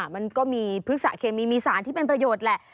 มันก็มีพฤกษะเคมีมีสารที่เป็นประโยชน์แหละ